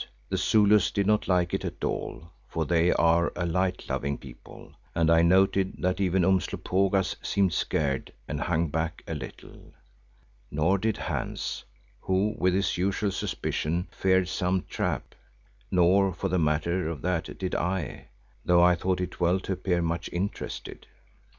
The Zulus did not like it at all, for they are a light loving people and I noted that even Umslopogaas seemed scared and hung back a little. Nor did Hans, who with his usual suspicion, feared some trap; nor, for the matter of that, did I, though I thought it well to appear much interested.